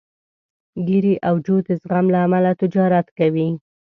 ګېري او جو د زغم له امله تجارت کوي.